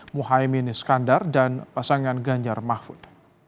muhaymin iskandar dan pasangan ganjar mahfud